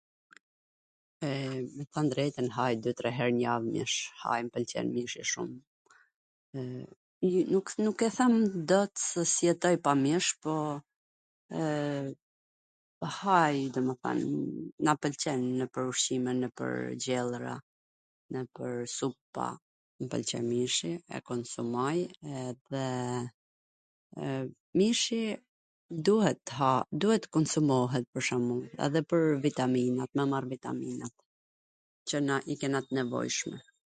E, me than drejtwn haj dy tre her n jav mish, m pwlqen mishi shum...nuk e them dot se s jetoj pa mish, po haj domethwn, na pwlqen nwpwr ushqime mishi, gjellwra, nwpwr supa, m pwlqen mishi, e konsumoj, dhe mishi duhet tw ha... duhet t konsumohet, pwr shwmbull edhe pwr vitaminat, me marr vitaminat qw na... i kena t nevojshme...